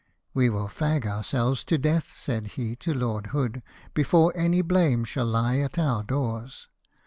" We will fag ourselves to death," said he to Lord Hood, " before any blame shall lie at our doors.